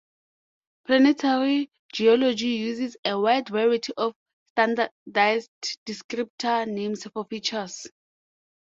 Planetary geology uses a wide variety of standardised descriptor names for features.